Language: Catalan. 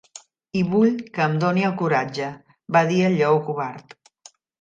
"I vull que em doni el coratge", va dir el lleó covard.